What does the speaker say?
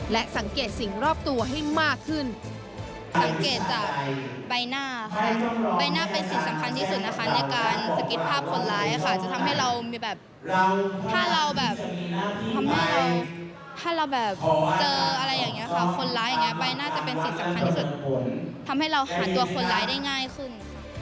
และสังเกตสิ่งรอบตัวให้มากขึ้น